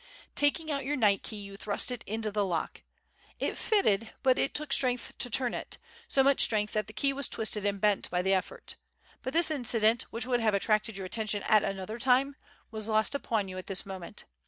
Taking out your night key, you thrust it into the lock. It fitted, but it took strength to turn it, so much strength that the key was twisted and bent by the effort. But this incident, which would have attracted your attention at another time, was lost upon you at this moment.